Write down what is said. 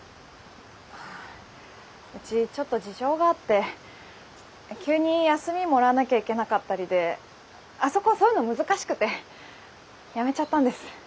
あうちちょっと事情があって急に休みもらわなきゃいけなかったりであそこそういうの難しくて辞めちゃったんです。